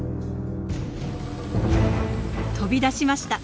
飛び出しました。